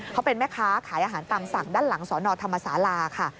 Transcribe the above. เขาเป็นแม่ค้าขายอาหารตามสั่งด้านหลังสนธรรมศาลาค่ะ